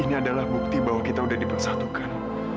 ini adalah bukti bahwa kita sudah dipersatukan